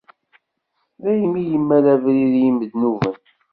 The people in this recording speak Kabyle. Daymi i yemmal abrid i yimednuben.